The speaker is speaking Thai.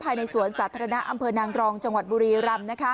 ภายในสวนสาธารณะอำเภอนางรองจังหวัดบุรีรำ